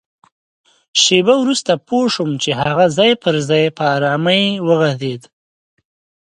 شېبه وروسته پوه شوم چي هغه ځای پر ځای په ارامۍ وغځېد.